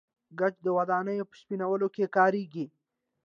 ګچ د ودانیو په سپینولو کې کاریږي.